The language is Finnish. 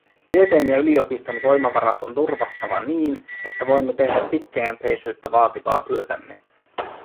Tieteen ja yliopiston voimavarat on turvattava niin, että voimme tehdä pitkäjänteisyyttä vaativaa työtämme.